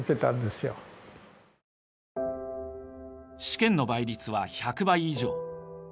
試験の倍率は１００倍以上。